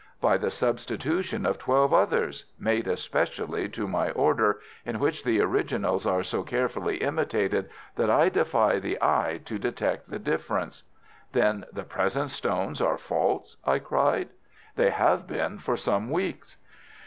"'By the substitution of twelve others, made especially to my order, in which the originals are so carefully imitated that I defy the eye to detect the difference.' "'Then the present stones are false?' I cried. "'They have been for some weeks.